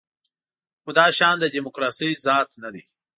خو دا شیان د دیموکراسۍ ذات نه دی.